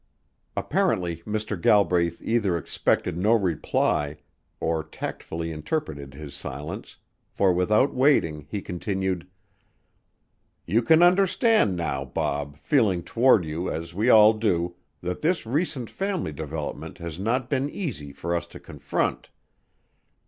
Apparently Mr. Galbraith either expected no reply or tactfully interpreted his silence, for without waiting he continued: "You can understand now, Bob, feeling toward you as we all do, that this recent family development has not been easy for us to confront.